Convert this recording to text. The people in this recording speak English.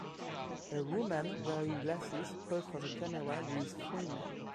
A woman wearing glasses poses for the camera with three men